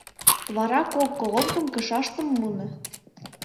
Вара кок колонкын кышаштым муна.